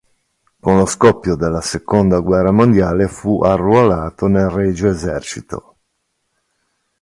Con lo scoppio della seconda guerra mondiale fu arruolato nel regio esercito.